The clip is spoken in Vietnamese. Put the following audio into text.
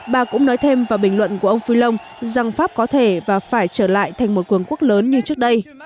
bà cũng nói thêm vào bình luận của ông phillon rằng pháp có thể và phải trở lại thành một cường quốc lớn như trước đây